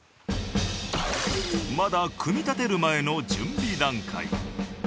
まだ組み立てる前の準備段階。